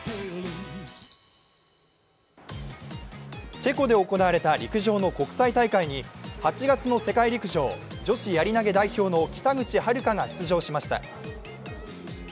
チェコで行われた陸上の国際大会に８月の世界陸上女子やり投げ代表の北口榛花が出場しました。